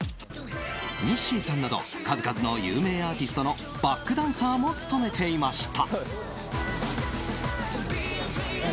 Ｎｉｓｓｙさんなど数々の有名アーティストのバックダンサーも務めていました。